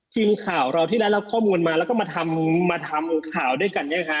ทีมข่าวเราที่แล้วเราข้อมูลมาแล้วก็มาทำข่าวด้วยกันเนี่ยค่ะ